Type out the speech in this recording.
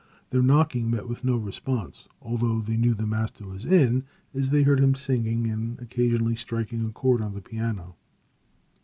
Their knocking met with no response, although they knew the master was in, as they heard him singing and occasionally striking a chord on the piano.